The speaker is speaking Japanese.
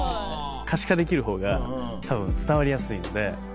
可視化できる方が多分伝わりやすいので。